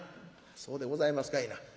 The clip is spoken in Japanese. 「そうでございますかいな。